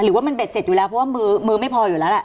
หรือว่ามันเด็ดเสร็จอยู่แล้วเพราะว่ามือมือไม่พออยู่แล้วแหละ